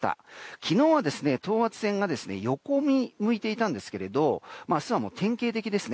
昨日は等圧線が横に向いていたんですけど明日は典型的ですね。